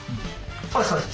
そうですそうです。